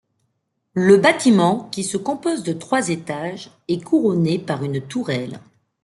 Le bâtiment, qui se compose de trois étages, est couronné par une tourelle.